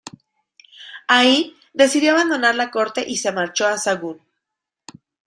Ahí decidió abandonar la corte y se marchó a Sahagún.